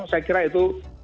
saya kira itu